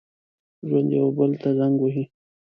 ژوندي یو بل ته زنګ وهي